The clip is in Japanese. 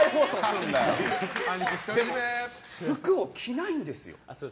服を着ないんですよ。